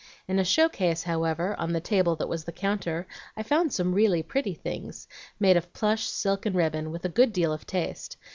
In a show case, however, on the table that was the counter, I found some really pretty things, made of plush, silk, and ribbon, with a good deal of taste.